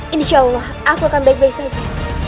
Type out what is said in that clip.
insya allah aku akan baik baik saja